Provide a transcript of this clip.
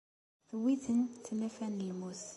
Tewwi-ten tnafa n lmut.